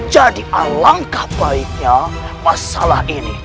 jadi alangkah baiknya masalah ini